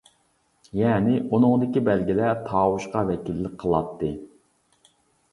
يەنى, ئۇنىڭدىكى بەلگىلەر تاۋۇشقا ۋەكىللىك قىلاتتى.